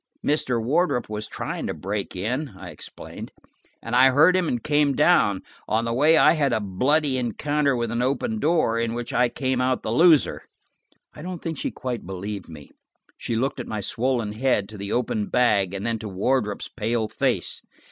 "Mr. Wardrop was trying to break in," I explained, "and I heard him and came down. On the way I had a bloody encounter with an open door, in which I came out the loser." I don't think she quite believed me. She looked from my swollen head to the open bag, and then to Wardrop's pale face.